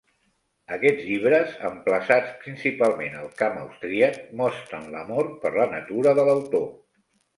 Aquests llibres, emplaçats principalment al camp austríac, mostren l'amor per la natura de l'autor.